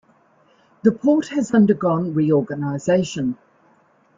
The port has undergone reorganisation.